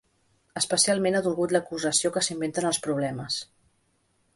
Especialment, ha dolgut l’acusació que s’inventen els problemes.